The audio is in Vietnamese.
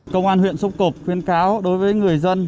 công an huyện sóc cộng khuyên cáo đối với người dân